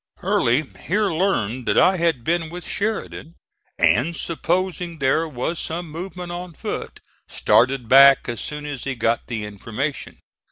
Early here learned that I had been with Sheridan and, supposing there was some movement on foot, started back as soon as he got the information.